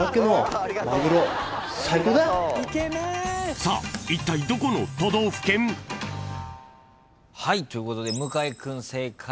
［さあいったいどこの都道府県？］ということで向井君正解。